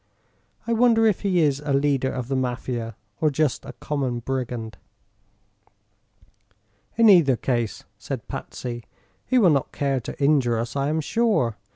I wonder if he is a leader of the Mafia, or just a common brigand?" "In either case," said Patsy, "he will not care to injure us, I am sure.